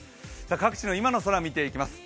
各地の今の空見ていきます。